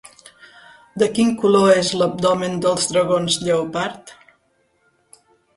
De quin color és l'abdomen dels dragons lleopard?